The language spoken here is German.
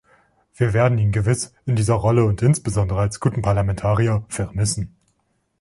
Wir werden ihn gewiss in dieser Rolle und insbesondere als guten Parlamentarier vermissen.